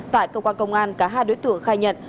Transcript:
tại cơ quan công an cả hai đối tượng khai nhận